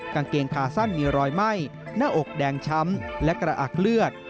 กางเกงขาสั้นมีรอยไหม้หน้าอกแดงช้ำและกระอักเลือด